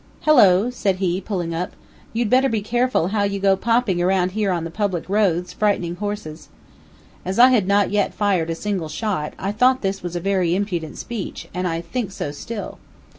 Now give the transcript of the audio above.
"Hello," said he, pulling up; "you'd better be careful how you go popping around here on the public roads, frightening horses." As I had not yet fired a single shot, I thought this was a very impudent speech, and I think so still.